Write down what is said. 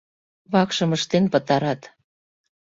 Вакшым ыштен пытарат.